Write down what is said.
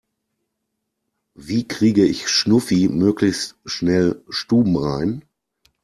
Wie kriege ich Schnuffi möglichst schnell stubenrein?